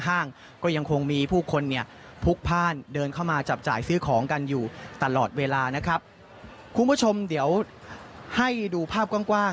ให้ดูภาพกว้างนะครับ